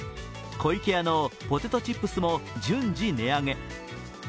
湖池屋のポテトチップスも順次、値上げ。